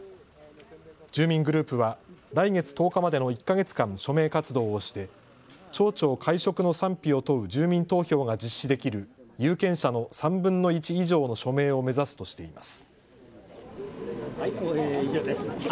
住民グループは来月１０日までの１か月間、署名活動をして町長解職の賛否を問う住民投票が実施できる有権者の３分の１以上の署名を目指すとしています。